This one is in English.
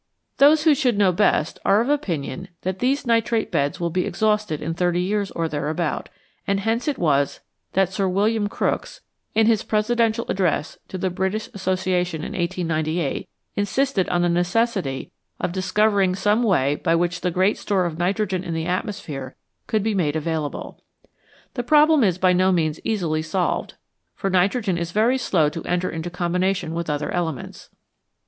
Those who should know best are of opinion that these nitrate beds will be exhausted in thirty years or thereabout, and hence it was that Sir William Crookes, in his presidential address to the British Association in 1898, insisted on the necessity of discovering some way by which the great store of nitrogen in the atmosphere could be made available. The problem is by no means easily solved, for nitrogen is very slow to enter into combination with other elements.